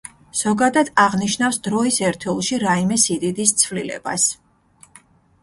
ზოგადად აღნიშნავს დროის ერთეულში რაიმე სიდიდის ცვლილებას.